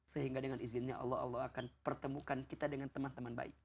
sehingga dengan izinnya allah allah akan pertemukan kita dengan teman teman baik